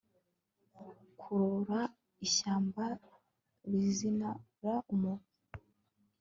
Kurora ishyamba rizira umuntu